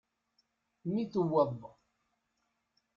Mi tewweḍ.